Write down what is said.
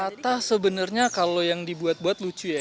rata sebenarnya kalau yang dibuat buat lucu ya